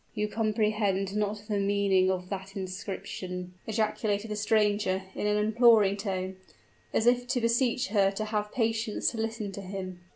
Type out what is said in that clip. '" "You comprehend not the meaning of that inscription!" ejaculated the stranger, in an imploring tone, as if to beseech her to have patience to listen to him.